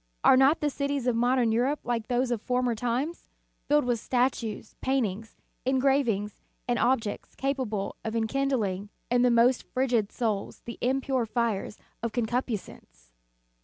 Are not the cities of modern Europe like those of former times, filled with statues, paintings, engravings, and objects capable of enkind ling in the most frigid souls the impure fires of concupiscence?